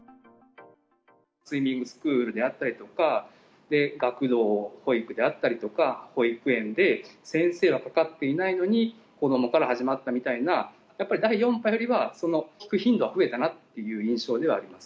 スイミングスクールであったりとか、学童保育であったりとか、保育園で、先生はかかっていないのに、子どもから始まったみたいな、やっぱり第４波よりは、聞く頻度が増えたなという印象ではあります。